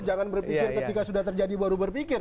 jangan berpikir ketika sudah terjadi baru berpikir